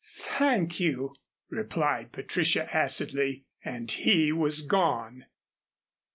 "Thank you," replied Patricia acidly, and he was gone.